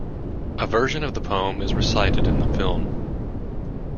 A version of the poem is recited in the film.